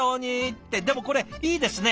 ってでもこれいいですね。